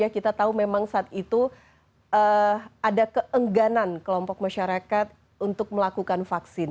kita tahu memang saat itu ada keengganan kelompok masyarakat untuk melakukan vaksin